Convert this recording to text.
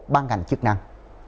ban ngành chức năng